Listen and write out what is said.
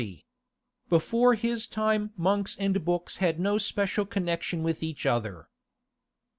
Before his time monks and books had no special connection with each other.